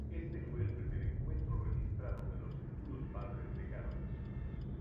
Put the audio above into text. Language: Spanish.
Este fue el primer encuentro registrado de los futuros padres de Carlos.